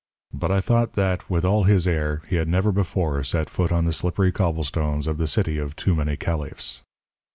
But I thought that, with all his air, he had never before set foot on the slippery cobblestones of the City of Too Many Caliphs.